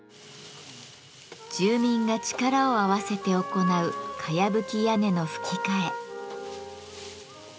住民が力を合わせて行うかやぶき屋根のふき替え。